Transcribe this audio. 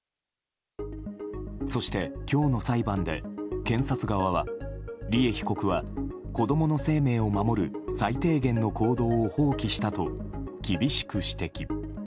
そして今日の裁判で、検察側は利恵被告は、子供の生命を守る最低限の行動を放棄したと厳しく指摘。